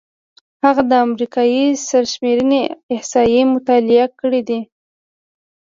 هغه د امریکايي سرشمېرنې احصایې مطالعه کړې دي.